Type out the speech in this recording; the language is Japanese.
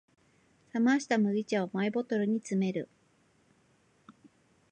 冷ました麦茶をマイボトルに詰める